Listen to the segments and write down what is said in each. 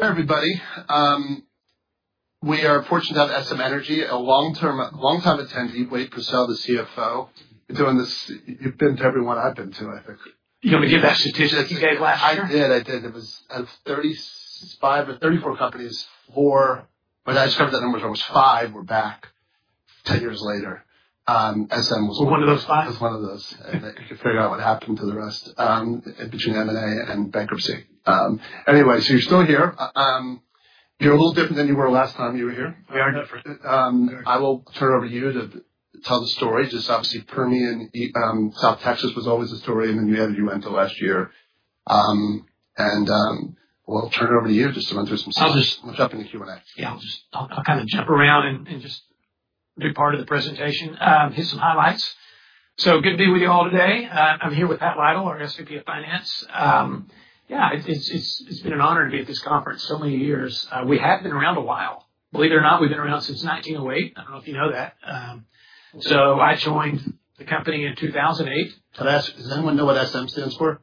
Everybody, we are fortunate to have SM Energy, a long-time attendee, Wade Pursell, the CFO. You've been to every one I've been to, I think. You're going to give that statistic to you guys last year? I did. I did. It was out of 35 or 34 companies, four—well, I just covered that number, so it was five were back 10 years later. SM was. One of those five? It was one of those. I could figure out what happened to the rest between M&A and bankruptcy. Anyway, so you're still here. You're a little different than you were last time you were here. We are different. I will turn it over to you to tell the story. Just obviously, Permian, South Texas was always the story, and then you added Uinta last year. And we'll turn it over to you just to run through some stuff. I'll just. What's up in the Q&A? Yeah, I'll just—I’ll kind of jump around and just be part of the presentation, hit some highlights. It’s good to be with you all today. I'm here with Pat Lytle, our SVP of Finance. Yeah, it's been an honor to be at this conference so many years. We have been around a while. Believe it or not, we've been around since 1908. I don't know if you know that. I joined the company in 2008. Does anyone know what SM stands for?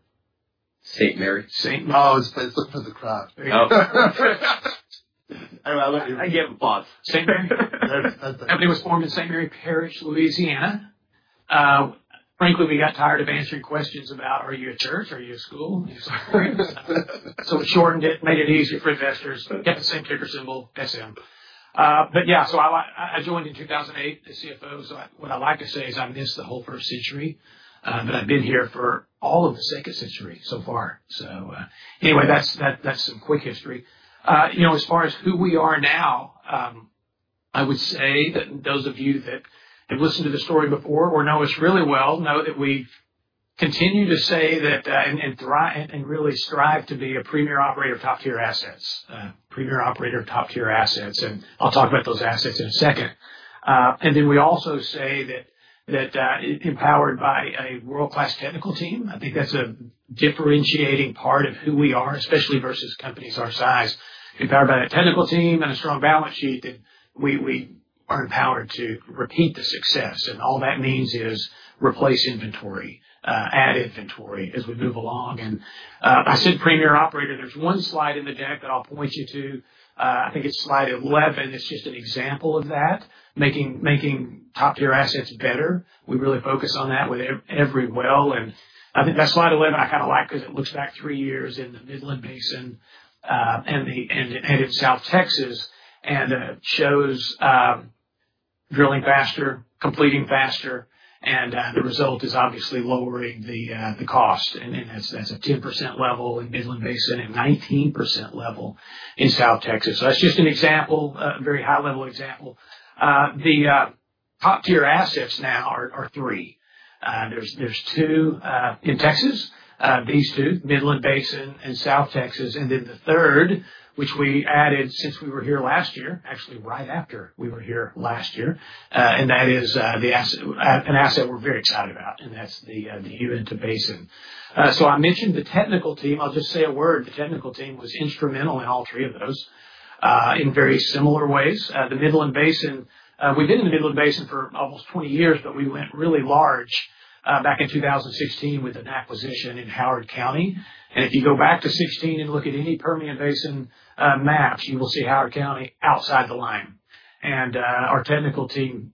Saint Mary. St. Oh, it's funny. It's looking for the crowd. I don't know. I gave them both. Saint Mary? That's the. Company was formed in St. Mary Parish, Louisiana. Frankly, we got tired of answering questions about, "Are you a church? Are you a school?" We shortened it, made it easier for investors. Got the same ticker symbol, SM. Yeah, I joined in 2008 as CFO. What I like to say is I missed the whole first century, but I've been here for all of the second century so far. That's some quick history. As far as who we are now, I would say that those of you that have listened to the story before or know us really well know that we continue to say that and really strive to be a premier operator of top-tier assets, premier operator of top-tier assets. I'll talk about those assets in a second. We also say that empowered by a world-class technical team, I think that's a differentiating part of who we are, especially versus companies our size. Empowered by that technical team and a strong balance sheet, we are empowered to repeat the success. All that means is replace inventory, add inventory as we move along. I said premier operator. There is one slide in the deck that I'll point you to. I think it's slide 11. It's just an example of that, making top-tier assets better. We really focus on that with every well. I think that slide 11, I kind of like because it looks back three years in the Midland Basin and in South Texas and shows drilling faster, completing faster, and the result is obviously lowering the cost. That is a 10% level in Midland Basin and 19% level in South Texas. That's just an example, a very high-level example. The top-tier assets now are three. There are two in Texas, these two, Midland Basin and South Texas, and then the third, which we added since we were here last year, actually right after we were here last year, and that is an asset we're very excited about, and that's the Uinta Basin. I mentioned the technical team. I'll just say a word. The technical team was instrumental in all three of those in very similar ways. The Midland Basin, we've been in the Midland Basin for almost 20 years, but we went really large back in 2016 with an acquisition in Howard County. If you go back to 2016 and look at any Permian Basin maps, you will see Howard County outside the line. Our technical team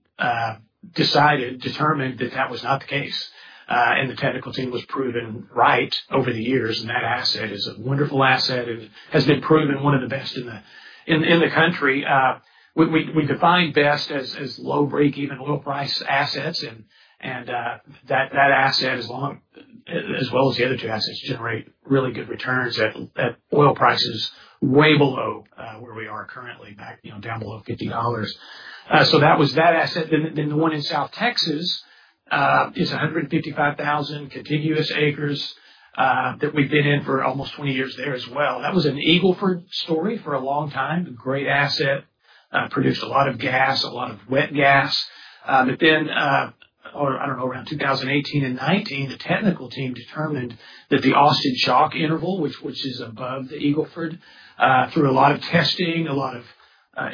decided, determined that that was not the case. The technical team was proven right over the years, and that asset is a wonderful asset and has been proven one of the best in the country. We define best as low-break, even low-price assets, and that asset, as well as the other two assets, generate really good returns at oil prices way below where we are currently, down below $50. That was that asset. The one in South Texas is 155,000 contiguous acres that we've been in for almost 20 years there as well. That was an Eagle Ford story for a long time, a great asset, produced a lot of gas, a lot of wet gas. I don't know, around 2018 and 2019, the technical team determined that the Austin Chalk interval, which is above the Eagle Ford, through a lot of testing, a lot of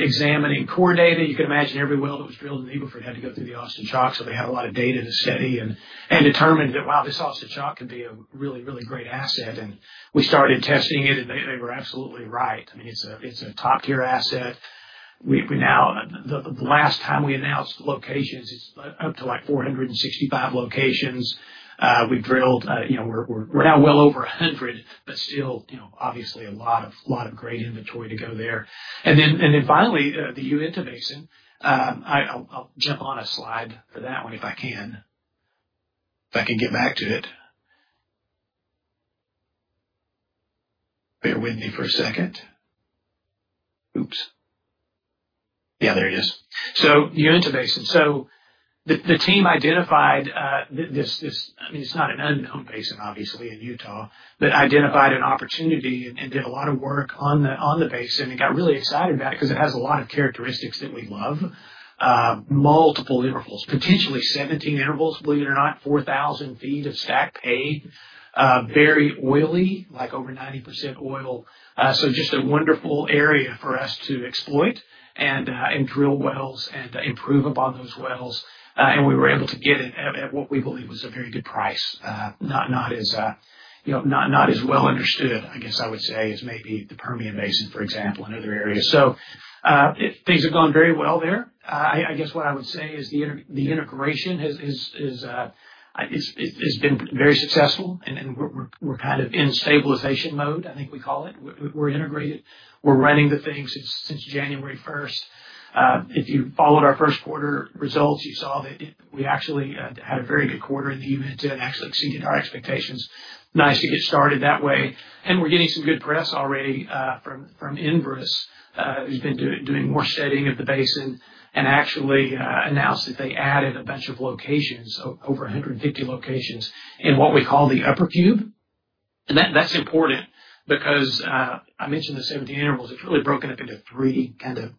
examining core data, you can imagine every well that was drilled in the Eagle Ford had to go through the Austin Chalk. So they had a lot of data to study and determined that, wow, this Austin Chalk can be a really, really great asset. We started testing it, and they were absolutely right. I mean, it's a top-tier asset. The last time we announced locations, it's up to like 465 locations. We've drilled. We're now well over 100, but still, obviously, a lot of great inventory to go there. Finally, the Uinta Basin. I'll jump on a slide for that one if I can, if I can get back to it. Bear with me for a second. Oops. Yeah, there it is. UNTA Basin. The team identified this—I mean, it's not an unknown basin, obviously, in Utah—but identified an opportunity and did a lot of work on the basin and got really excited about it because it has a lot of characteristics that we love. Multiple intervals, potentially 17 intervals, believe it or not, 4,000 feet of stacked pay, very oily, like over 90% oil. Just a wonderful area for us to exploit and drill wells and improve upon those wells. We were able to get it at what we believe was a very good price, not as well understood, I guess I would say, as maybe the Permian Basin, for example, and other areas. Things have gone very well there. I guess what I would say is the integration has been very successful, and we're kind of in stabilization mode, I think we call it. We're integrated. We're running the things since January 1. If you followed our first quarter results, you saw that we actually had a very good quarter in the Uinta and actually exceeded our expectations. Nice to get started that way. We're getting some good press already from Inverse, who's been doing more studying of the basin and actually announced that they added a bunch of locations, over 150 locations, in what we call the upper cube. That's important because I mentioned the 17 intervals. It's really broken up into three kind of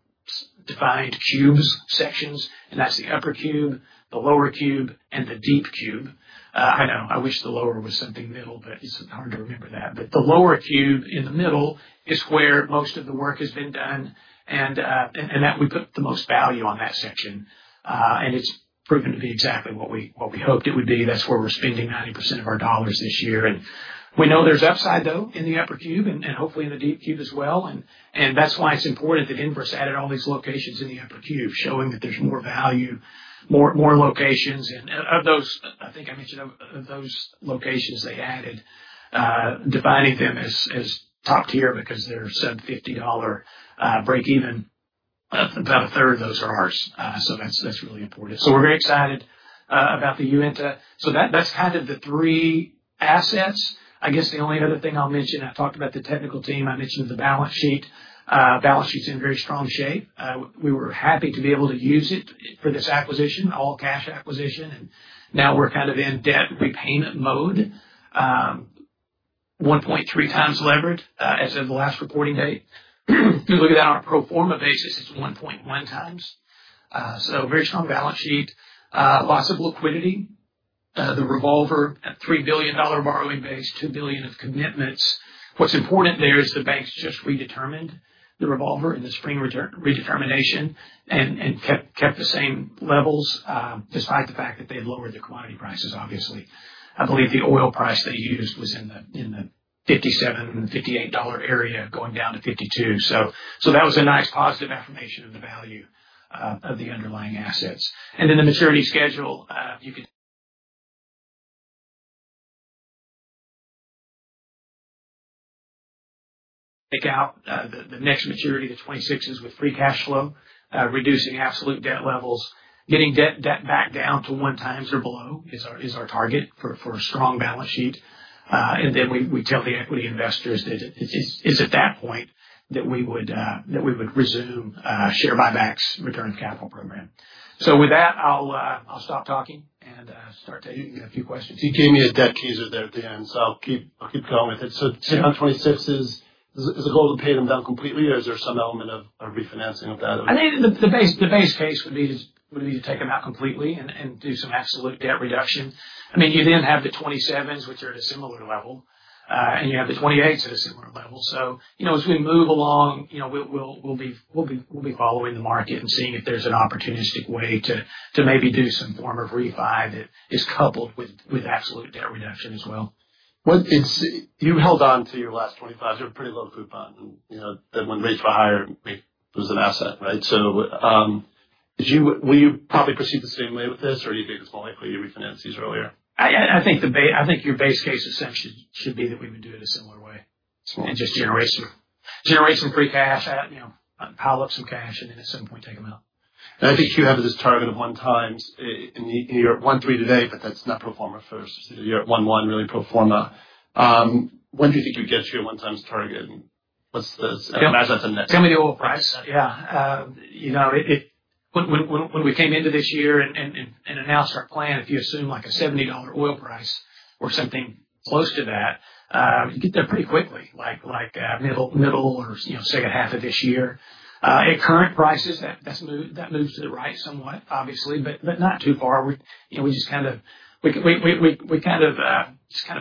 defined cubes, sections, and that's the upper cube, the lower cube, and the deep cube. I know. I wish the lower was something middle, but it's hard to remember that. The lower cube in the middle is where most of the work has been done, and we put the most value on that section. It has proven to be exactly what we hoped it would be. That is where we are spending 90% of our dollars this year. We know there is upside, though, in the upper cube and hopefully in the deep cube as well. That is why it is important that Inverse added all these locations in the upper cube, showing that there is more value, more locations. I think I mentioned those locations they added, defining them as top tier because they are sub-$50 break-even. About a third of those are ours. That is really important. We are very excited about the Uinta. That is kind of the three assets. I guess the only other thing I will mention, I talked about the technical team. I mentioned the balance sheet. Balance sheet's in very strong shape. We were happy to be able to use it for this acquisition, all cash acquisition. Now we're kind of in debt repayment mode, 1.3 levered, as of the last reporting date. If you look at that on a pro forma basis, it's 1.1 times. Very strong balance sheet, lots of liquidity. The revolver, $3 billion borrowing base, $2 billion of commitments. What's important there is the banks just redetermined the revolver in the spring redetermination and kept the same levels despite the fact that they've lowered the commodity prices, obviously. I believe the oil price they used was in the $57-$58 area going down to $52. That was a nice positive affirmation of the value of the underlying assets. The maturity schedule, you could take out the next maturity, the 26s, with free cash flow, reducing absolute debt levels, getting debt back down to one times or below is our target for a strong balance sheet. We tell the equity investors that it's at that point that we would resume share buybacks, return to capital program. With that, I'll stop talking and start taking a few questions. You gave me a debt teaser there at the end, so I'll keep going with it. On 26s, is the goal to pay them down completely, or is there some element of refinancing of that? I think the base case would be to take them out completely and do some absolute debt reduction. I mean, you then have the 27s, which are at a similar level, and you have the 28s at a similar level. As we move along, we'll be following the market and seeing if there's an opportunistic way to maybe do some form of refi that is coupled with absolute debt reduction as well. You held on to your last 25s. You're a pretty low coupon. That when we reached for higher, it was an asset, right? So will you probably proceed the same way with this, or do you think it's more likely you refinance these earlier? I think your base case assumption should be that we would do it a similar way and just generate some free cash, pile up some cash, and then at some point take them out. I think you have this target of one times. You're at 1.3 today, but that's not pro forma first. You're at 1.1, really pro forma. When do you think you get to your one times target? I imagine that's a next. Tell me the oil price. Yeah. When we came into this year and announced our plan, if you assume like a $70 oil price or something close to that, you get there pretty quickly, like middle or second half of this year. At current prices, that moves to the right somewhat, obviously, but not too far. We just kind of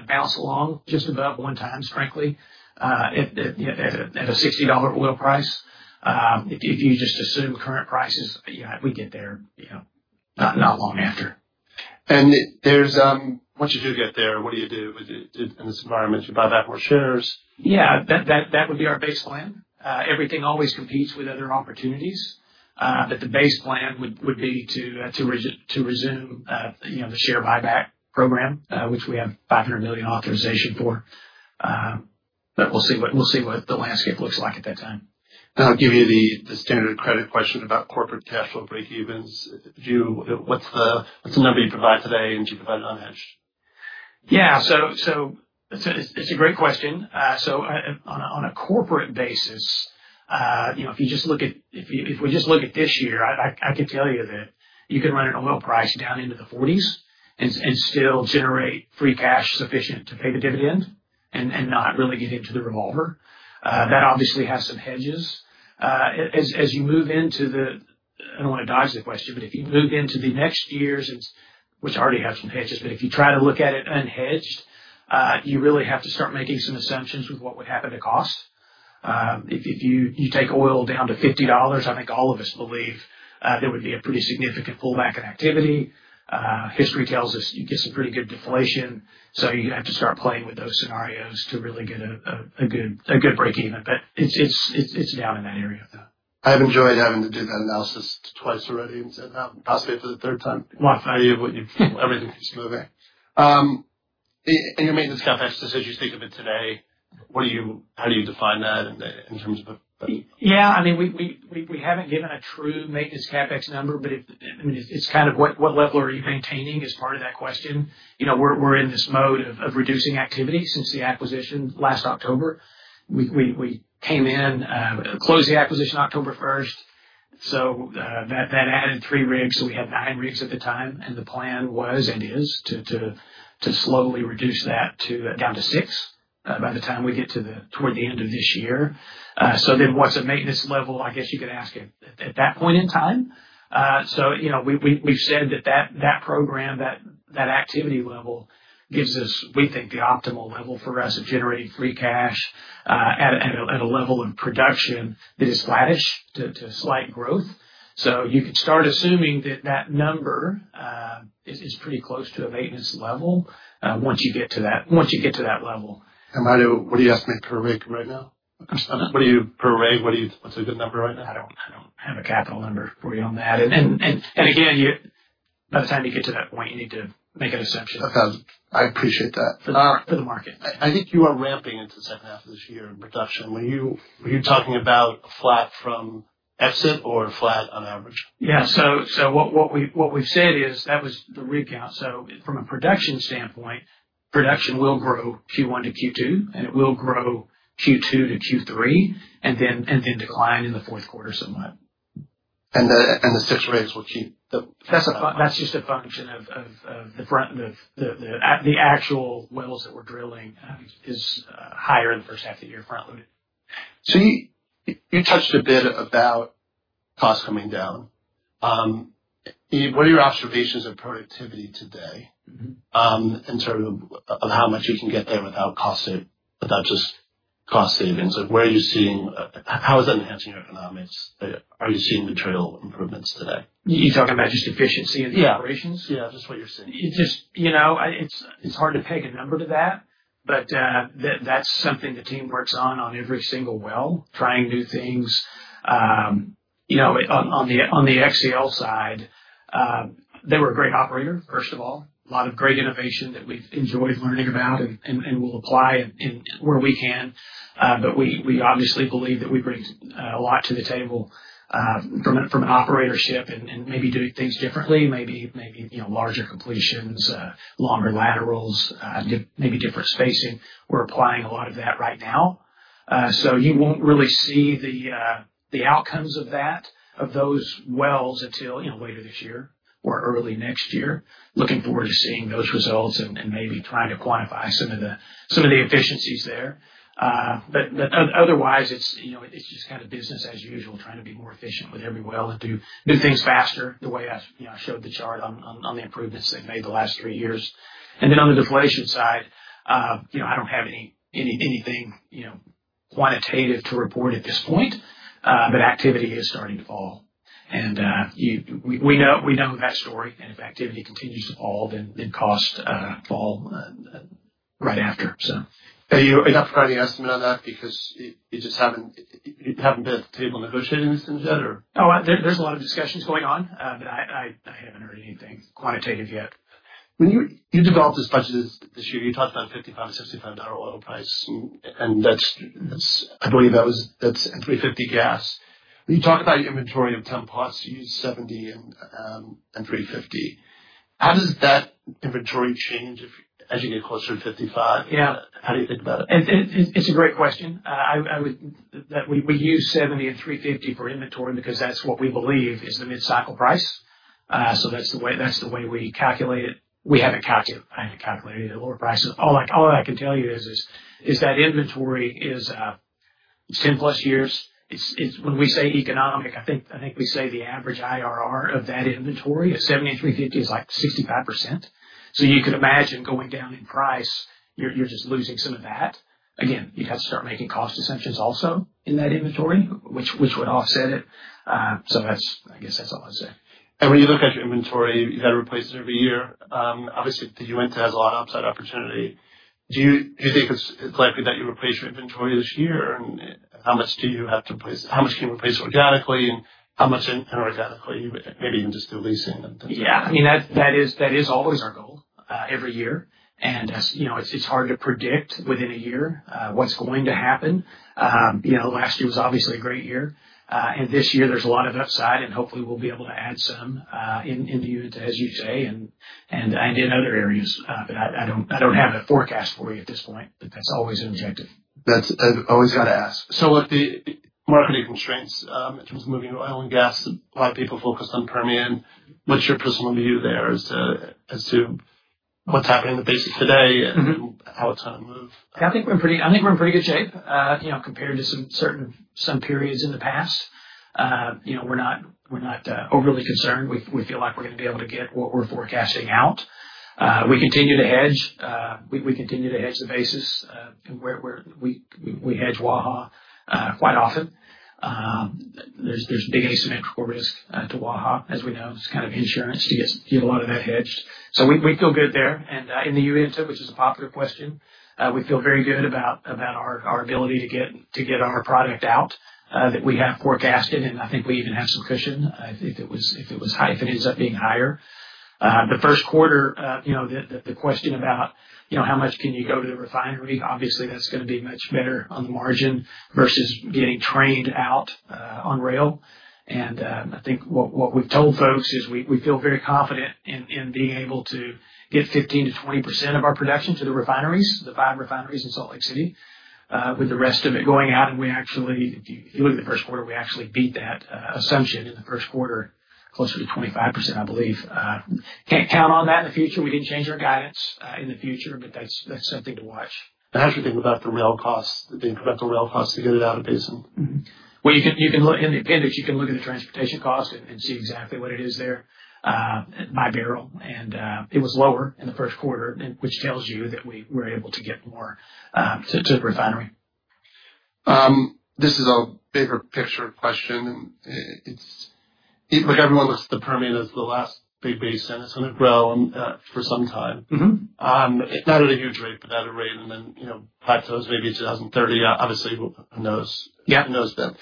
bounce along just above one times, frankly, at a $60 oil price. If you just assume current prices, yeah, we get there not long after. Once you do get there, what do you do in this environment? You buy back more shares? Yeah. That would be our base plan. Everything always competes with other opportunities. The base plan would be to resume the share buyback program, which we have $500 million authorization for. We'll see what the landscape looks like at that time. I'll give you the standard credit question about corporate cash flow breakevens. What's the number you provide today, and do you provide it unhedged? Yeah. It is a great question. On a corporate basis, if you just look at this year, I can tell you that you can run an oil price down into the $40s and still generate free cash sufficient to pay the dividend and not really get into the revolver. That obviously has some hedges. As you move into the—I do not want to dodge the question, but if you move into the next years, which already have some hedges, but if you try to look at it unhedged, you really have to start making some assumptions with what would happen to cost. If you take oil down to $50, I think all of us believe there would be a pretty significant pullback in activity. History tells us you get some pretty good deflation. You have to start playing with those scenarios to really get a good break-even. It's down in that area, though. I have enjoyed having to do that analysis twice already and saying that possibly for the third time. I have no idea what you feel—everything keeps moving. And your maintenance CapEx, just as you think of it today, how do you define that in terms of a? Yeah. I mean, we haven't given a true maintenance CapEx number, but I mean, it's kind of what level are you maintaining is part of that question. We're in this mode of reducing activity since the acquisition last October. We came in, closed the acquisition October 1. That added three rigs. We had nine rigs at the time. The plan was and is to slowly reduce that down to six by the time we get toward the end of this year. What's a maintenance level, I guess you could ask, at that point in time? We've said that that program, that activity level gives us, we think, the optimal level for us of generating free cash at a level of production that is flattish to slight growth. You could start assuming that that number is pretty close to a maintenance level once you get to that level. By the way, what do you estimate per rig right now? What do you per rig? What's a good number right now? I don't have a capital number for you on that. Again, by the time you get to that point, you need to make an assumption. I appreciate that. For the market. I think you are ramping into the second half of this year in production. Were you talking about flat from exit or flat on average? Yeah. So what we've said is that was the recount. So from a production standpoint, production will grow Q1 to Q2, and it will grow Q2 to Q3, and then decline in the fourth quarter somewhat. The six rigs will keep the. That's just a function of the actual wells that we're drilling is higher in the first half of the year, front-loaded. You touched a bit about cost coming down. What are your observations of productivity today in terms of how much you can get there without just cost savings? Where are you seeing? How is that enhancing your economics? Are you seeing material improvements today? You're talking about just efficiency of the operations? Yeah. Just what you're seeing. It's hard to peg a number to that, but that's something the team works on every single well, trying new things. On the XCL side, they were a great operator, first of all. A lot of great innovation that we've enjoyed learning about and will apply where we can. We obviously believe that we bring a lot to the table from an operatorship and maybe doing things differently, maybe larger completions, longer laterals, maybe different spacing. We're applying a lot of that right now. You won't really see the outcomes of those wells until later this year or early next year. Looking forward to seeing those results and maybe trying to quantify some of the efficiencies there. Otherwise, it's just kind of business as usual, trying to be more efficient with every well and do things faster the way I showed the chart on the improvements they've made the last three years. On the deflation side, I do not have anything quantitative to report at this point, but activity is starting to fall. We know that story. If activity continues to fall, then costs fall right after, so. Are you up for writing an estimate on that because you haven't been at the table negotiating this thing yet, or? Oh, there's a lot of discussions going on, but I haven't heard anything quantitative yet. When you developed this budget this year, you talked about a $55-$65 oil price, and I believe that was at $3.50 gas. When you talk about your inventory of 10 plus, you use $70 and $3.50. How does that inventory change as you get closer to $55? How do you think about it? It's a great question. We use $70 and $350 for inventory because that's what we believe is the mid-cycle price. That's the way we calculate it. We haven't calculated it. All I can tell you is that inventory is 10-plus years. When we say economic, I think we say the average IRR of that inventory at $70 and $350 is like 65%. You could imagine going down in price, you're just losing some of that. You'd have to start making cost assumptions also in that inventory, which would offset it. I guess that's all I'd say. When you look at your inventory, you've got to replace it every year. Obviously, the Uinta has a lot of upside opportunity. Do you think it's likely that you replace your inventory this year? How much do you have to replace? How much can you replace organically, and how much inorganically, maybe even just through leasing? Yeah. I mean, that is always our goal every year. It's hard to predict within a year what's going to happen. Last year was obviously a great year. This year, there's a lot of upside, and hopefully, we'll be able to add some in the Uinta, as you say, and in other areas. I don't have a forecast for you at this point, but that's always an objective. I've always got to ask. Look, the marketing constraints in terms of moving oil and gas, a lot of people focused on Permian. What's your personal view there as to what's happening in the basics today and how it's going to move? I think we're in pretty good shape compared to some periods in the past. We're not overly concerned. We feel like we're going to be able to get what we're forecasting out. We continue to hedge. We continue to hedge the basis. We hedge Waha quite often. There's big asymmetrical risk to Waha, as we know. It's kind of insurance to get a lot of that hedged. We feel good there. In the Uinta, which is a popular question, we feel very good about our ability to get our product out that we have forecasted. I think we even have some cushion if it ends up being higher. The first quarter, the question about how much can you go to the refinery, obviously, that's going to be much better on the margin versus getting trained out on rail. I think what we've told folks is we feel very confident in being able to get 15%-20% of our production to the refineries, the five refineries in Salt Lake City, with the rest of it going out. If you look at the first quarter, we actually beat that assumption in the first quarter, closer to 25%, I believe. Can't count on that in the future. We didn't change our guidance in the future, but that's something to watch. How's your thing with the rail costs, the incremental rail costs to get it out of basin? In the appendix, you can look at the transportation cost and see exactly what it is there by barrel. And it was lower in the first quarter, which tells you that we're able to get more to the refinery. This is a bigger picture question. Everyone looks at the Permian as the last big basin, and it's going to grow for some time. Not at a huge rate, but at a rate and then plateaus maybe in 2030. Obviously, who knows then.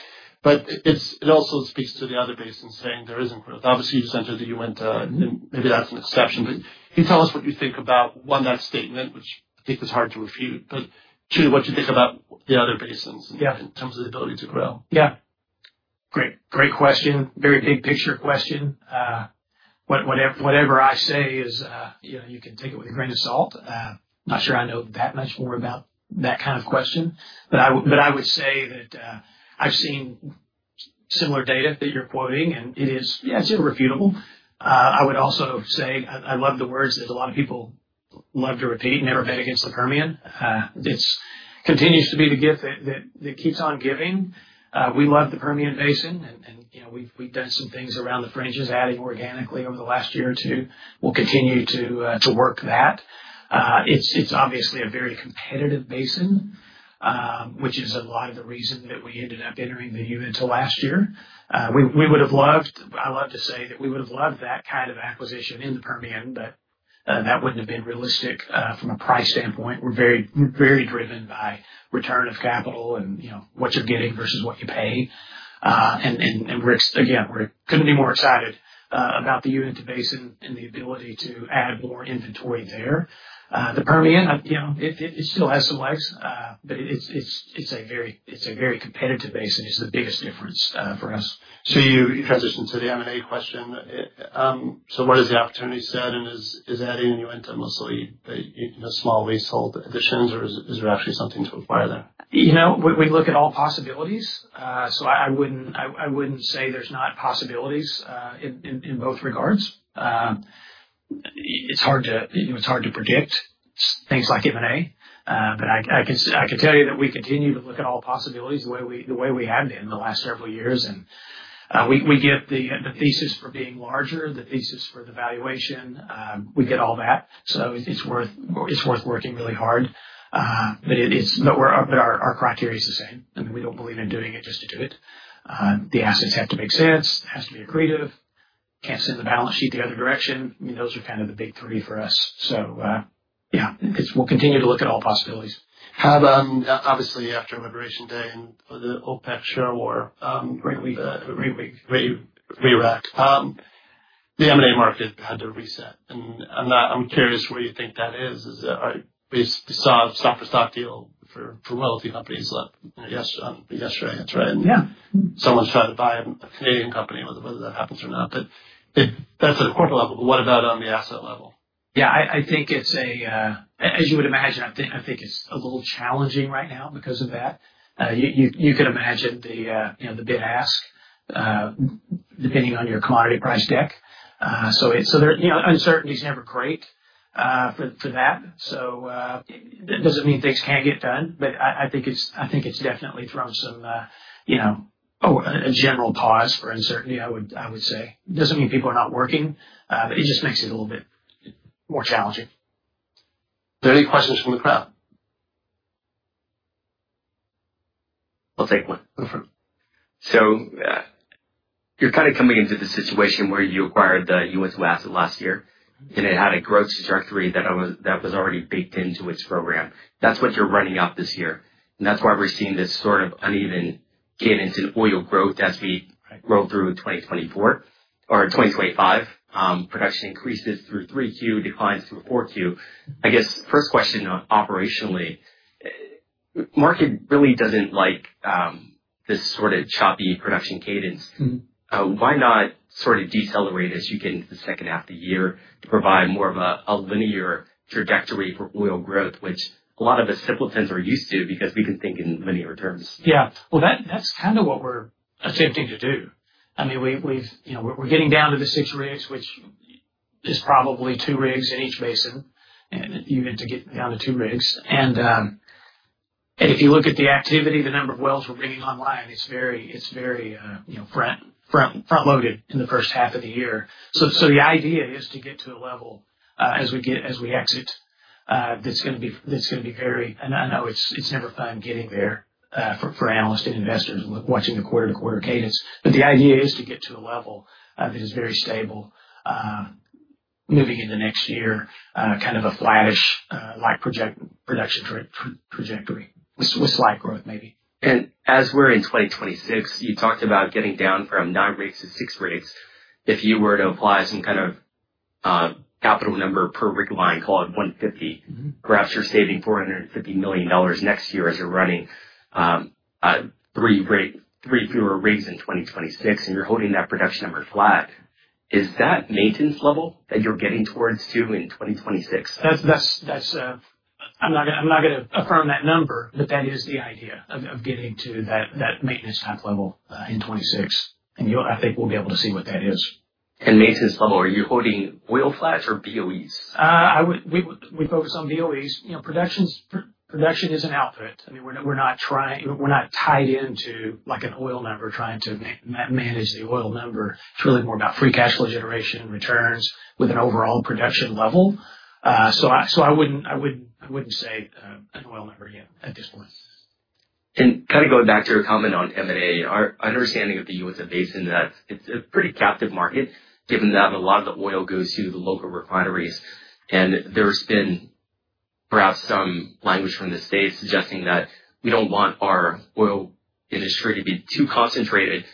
It also speaks to the other basins saying there isn't growth. Obviously, you've just entered the Uinta, and maybe that's an exception. Can you tell us what you think about, one, that statement, which I think is hard to refute, and two, what you think about the other basins in terms of the ability to grow? Yeah. Great question. Very big picture question. Whatever I say, you can take it with a grain of salt. I'm not sure I know that much more about that kind of question. I would say that I've seen similar data that you're quoting, and it is, yeah, it's irrefutable. I would also say I love the words that a lot of people love to repeat, "Never bet against the Permian." It continues to be the gift that keeps on giving. We love the Permian Basin, and we've done some things around the fringes, adding organically over the last year or two. We'll continue to work that. It's obviously a very competitive basin, which is a lot of the reason that we ended up entering the Uinta last year. I love to say that we would have loved that kind of acquisition in the Permian, but that would not have been realistic from a price standpoint. We are very driven by return of capital and what you are getting versus what you pay. Again, we could not be more excited about the Uinta Basin and the ability to add more inventory there. The Permian, it still has some legs, but it is a very competitive basin. It is the biggest difference for us. You transitioned to the M&A question. What is the opportunity set? Is adding UNT mostly small leasehold additions, or is there actually something to acquire there? We look at all possibilities. I would not say there are not possibilities in both regards. It is hard to predict things like M&A, but I can tell you that we continue to look at all possibilities the way we have been the last several years. We get the thesis for being larger, the thesis for the valuation. We get all that. It is worth working really hard. Our criteria is the same. I mean, we do not believe in doing it just to do it. The assets have to make sense. It has to be accretive. Cannot send the balance sheet the other direction. I mean, those are kind of the big three for us. We will continue to look at all possibilities. Obviously, after Liberation Day and the OPEC Surewar, the re-rack, the M&A market had to reset. I am curious where you think that is. We saw a stop-for-stop deal for royalty companies yesterday. That is right. Someone has tried to buy a Canadian company, whether that happens or not. That is at a corporate level. What about on the asset level? Yeah. I think it's a, as you would imagine, I think it's a little challenging right now because of that. You can imagine the bid-ask depending on your commodity price deck. Uncertainty is never great for that. It does not mean things cannot get done. I think it's definitely thrown some general pause for uncertainty, I would say. It does not mean people are not working, but it just makes it a little bit more challenging. Do you have any questions from the crowd? I'll take one. Go for it. You're kind of coming into the situation where you acquired the Uinta asset last year, and it had a growth trajectory that was already baked into its program. That's what you're running up this year. That's why we're seeing this sort of uneven cadence in oil growth as we roll through 2024 or 2025. Production increases through 3Q, declines through 4Q. I guess first question operationally, the market really doesn't like this sort of choppy production cadence. Why not sort of decelerate as you get into the second half of the year to provide more of a linear trajectory for oil growth, which a lot of the simpletons are used to because we can think in linear terms? Yeah. That is kind of what we are attempting to do. I mean, we are getting down to the six rigs, which is probably two rigs in each basin, and you need to get down to two rigs. If you look at the activity, the number of wells we are bringing online, it is very front-loaded in the first half of the year. The idea is to get to a level as we exit that is going to be very—I know it is never fun getting there for analysts and investors watching the quarter-to-quarter cadence. The idea is to get to a level that is very stable moving into next year, kind of a flattish production trajectory with slight growth, maybe. As we're in 2026, you talked about getting down from nine rigs to six rigs. If you were to apply some kind of capital number per rig line called $150 million, perhaps you're saving $450 million next year as you're running three fewer rigs in 2026, and you're holding that production number flat. Is that maintenance level that you're getting towards to in 2026? I'm not going to affirm that number, but that is the idea of getting to that maintenance type level in 2026. And I think we'll be able to see what that is. At maintenance level, are you holding oil flats or BOEs? We focus on BOEs. Production is an outfit. I mean, we're not tied into an oil number trying to manage the oil number. It's really more about free cash flow generation and returns with an overall production level. I wouldn't say an oil number yet at this point. Kind of going back to your comment on M&A, our understanding of the Uinta Basin, it's a pretty captive market given that a lot of the oil goes to the local refineries. There's been perhaps some language from the states suggesting that we don't want our oil industry to be too concentrated.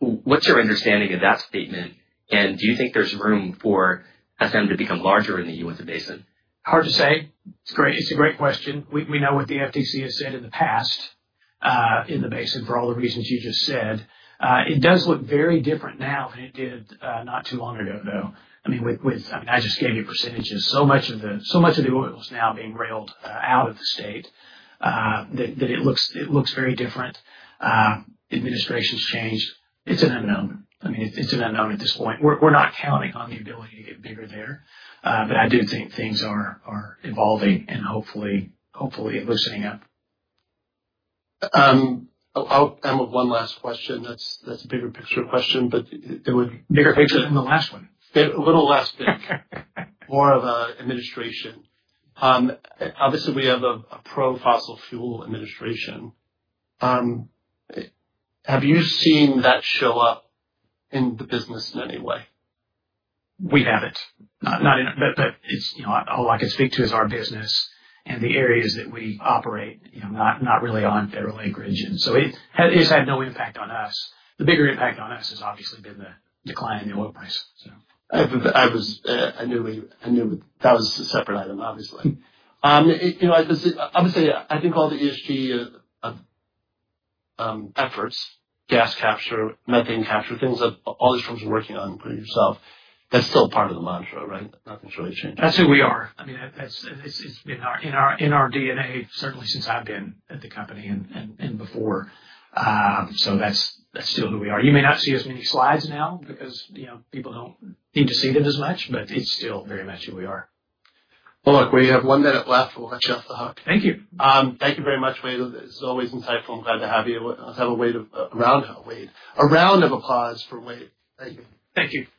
What's your understanding of that statement? Do you think there's room for SM to become larger in the Uinta Basin? Hard to say. It's a great question. We know what the FTC has said in the past in the basin for all the reasons you just said. It does look very different now than it did not too long ago, though. I mean, I just gave you percentages. So much of the oil is now being railed out of the state that it looks very different. Administration's changed. It's an unknown. I mean, it's an unknown at this point. We're not counting on the ability to get bigger there. I do think things are evolving and hopefully loosening up. I'm with one last question. That's a bigger picture question, but it would. Bigger picture than the last one. A little less big. More of an administration. Obviously, we have a pro-fossil fuel administration. Have you seen that show up in the business in any way? We haven't. All I can speak to is our business and the areas that we operate, not really on federal acreage. It has had no impact on us. The bigger impact on us has obviously been the decline in the oil price. I knew that was a separate item, obviously. Obviously, I think all the ESG efforts, gas capture, methane capture, things that all these firms are working on for yourself, that's still part of the mantra, right? Nothing's really changed. That's who we are. I mean, it's been in our DNA, certainly since I've been at the company and before. That's still who we are. You may not see as many slides now because people do not need to see them as much, but it's still very much who we are. Look, we have one minute left. We'll let you off the hook. Thank you. Thank you very much, Wade. It's always insightful. I'm glad to have you. Let's have a round of applause for Wade. Thank you. Thank you.